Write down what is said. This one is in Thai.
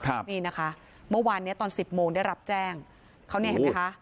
นี่นะคะเมื่อวานเนี้ยตอนสิบโมงได้รับแจ้งเขาเนี่ยเห็นไหมคะ